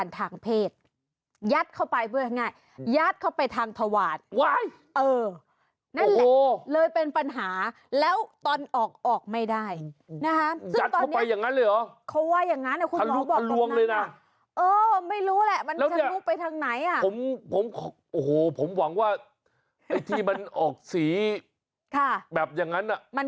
หนีเจ้าตัวนี้เอาไปด้วยครับ